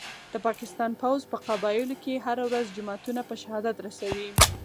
د پاکستان پوځ په قبایلو کي هره ورځ جوماتونه په شهادت رسوي